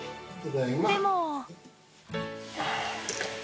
でも。